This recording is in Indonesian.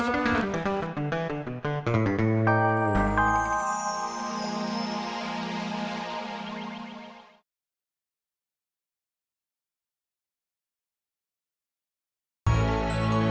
tunggu papa dulu